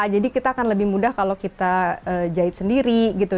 jadi kita kan lebih mudah kalau kita jahit sendiri gitu